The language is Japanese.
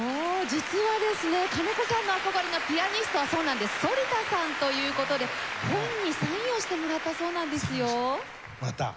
実はですね金子さんの憧れのピアニストはそうなんです反田さんという事で本にサインをしてもらったそうなんですよ。もらった？